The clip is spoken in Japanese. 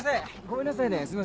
ごめんなさいね。